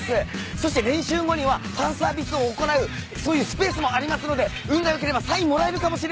そして練習後にはファンサービスを行うそういうスペースもありますので運が良ければサインもらえるかもしれません。